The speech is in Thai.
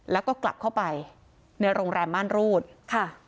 แล้วก็กลับเข้าไปในโรงแรมม่านรูดค่ะ